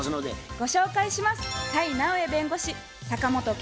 ご紹介します。